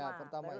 ya pertama itu